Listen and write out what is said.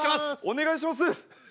お願いします。